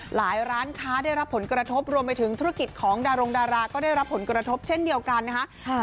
หลายร้านค้าได้รับผลกระทบรวมไปถึงธุรกิจของดารงดาราก็ได้รับผลกระทบเช่นเดียวกันนะคะ